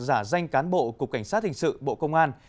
giả danh cán bộ cục cảnh sát hình sự bộ công an